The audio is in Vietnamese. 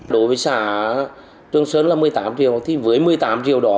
đối với xã trường sơn là một mươi tám triệu thì với một mươi tám triệu đó